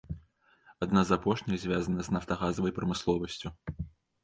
Адна з апошніх звязана з нафтагазавай прамысловасцю.